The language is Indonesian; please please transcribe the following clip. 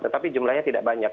tetapi jumlahnya tidak banyak